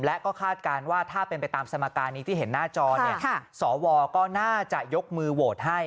และก็คาดการณ์ว่าถ้าเป็นไปตามสมการนี้ที่เห็นหน้าจอเนี่ยสวก็น่าจะยกมือโหวตให้